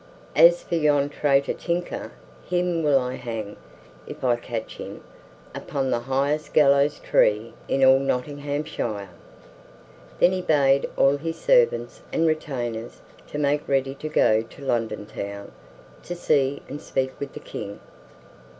As for yon traitor Tinker, him will I hang, if I catch him, upon the very highest gallows tree in all Nottinghamshire." Then he bade all his servants and retainers to make ready to go to London Town, to see and speak with the King.